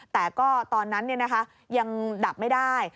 แต่ก็ตอนนั้นยังดับไม่ได้